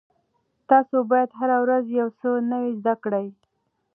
تاسو باید هره ورځ یو څه نوي زده کړئ.